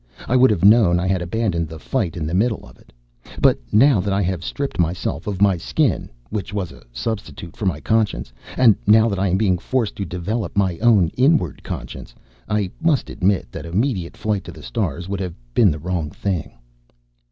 I would have known I had abandoned the fight in the middle of it. But now that I have stripped myself of my Skin which was a substitute for a conscience and now that I am being forced to develop my own inward conscience, I must admit that immediate flight to the stars would have been the wrong thing."